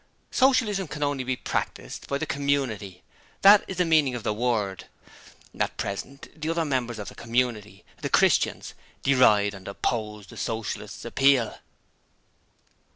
Socialism can only be practised by the Community that is the meaning of the word. At present, the other members of the community the "Christians" deride and oppose the Socialist's appeal.